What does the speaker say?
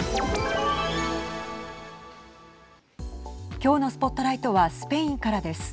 今日のＳＰＯＴＬＩＧＨＴはスペインからです。